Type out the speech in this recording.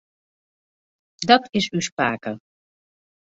Dat is ús pake.